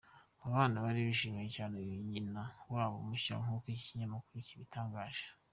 Aba bana bari bishimiye cyane uyu nyina wabo mushya nk’uko iki kinyamakuru cyabitangaje.